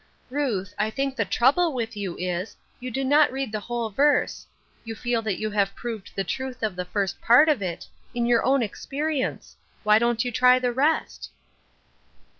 Ruth, I think the trouble with you is, you do not read the whole verse. You feel that you have proved the truth of the first part of it, in your own experience Why don't you try the rest